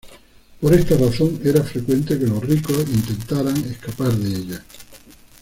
Por esta razón, era frecuente que los ricos intentaran escapar de ella.